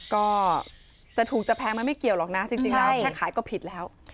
ก็จะถูกจะแพงมันไม่เกี่ยวหรอกนะจริงแล้วแค่ขายก็ผิดแล้ว